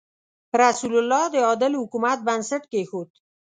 رسول الله د عادل حکومت بنسټ کېښود.